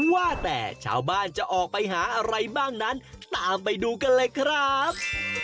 ว่าแต่ชาวบ้านจะออกไปหาอะไรบ้างนั้นตามไปดูกันเลยครับ